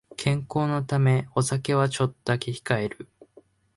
健康のためお酒はちょっとだけ控える